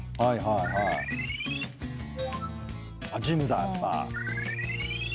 ジムだやっぱ。